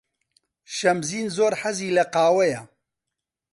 شەمزین زۆر حەزی لە قاوەیە.